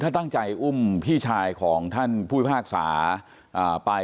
ถ้าตั้งใจอุ้มพี่ชายของท่านผู้พิพากษาไป